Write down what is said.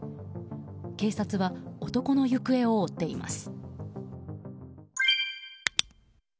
警察は、男の行方を追っています。